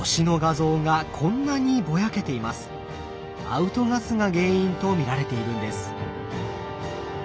アウトガスが原因と見られているんです。